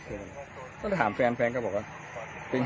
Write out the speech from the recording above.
แล้วถ้าถามไปไหน